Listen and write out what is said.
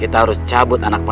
ini ada di al quran kami